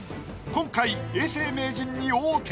今回永世名人に王手！